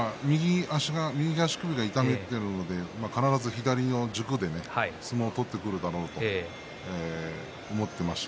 右足首を痛めているということで必ず左、軸で相撲を取ってくるだろうと思っていました。